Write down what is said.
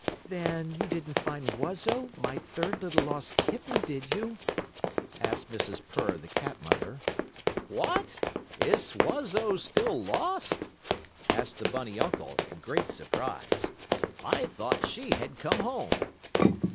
"Then you didn't find Wuzzo, my third little lost kitten, did you?" asked Mrs. Purr, the cat mother. "What! Is Wuzzo still lost?" asked the bunny uncle, in great surprise. "I thought she had come home."